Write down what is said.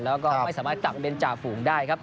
แล้วก็ไม่สามารถกลับมาเป็นจ่าฝูงได้ครับ